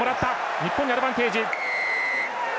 日本にアドバンテージ。